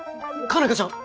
佳奈花ちゃん